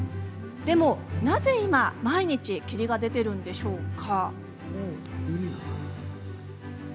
でも、なぜ今、毎日霧が出ているのでしょうか。